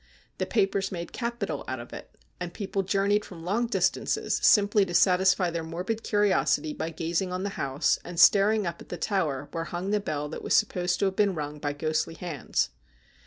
The papers made capital out of it, and people journeyed from long distances simply to satisfy their morbid curiosity by gazing on the house, and staring up at the tower where hung the bell that was supposed to have been rung by ghostly hands.